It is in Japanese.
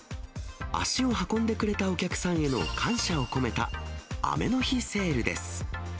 足を運んでくれたお客さんへの感謝を込めた雨の日セールです。